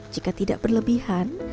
jika tidak berlebihan